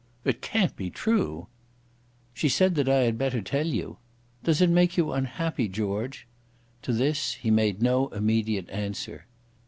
"It can't be true." "She said that I had better tell you. Does it make you unhappy, George?" To this he made no immediate answer.